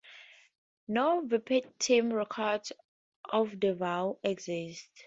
No verbatim record of the vow exists.